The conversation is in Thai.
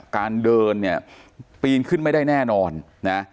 การเดินเนี่ยปีนขึ้นไม่ได้แน่นอนนะ